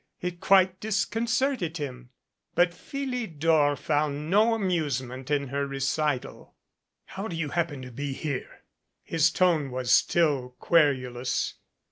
It quite disconcerted him." But Phili dor found no amusement in her recital. "How do you happen to be here?" His tone was still querulous.